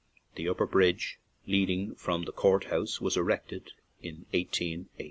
The Upper Bridge, leading from the court house, was erected in 181 8.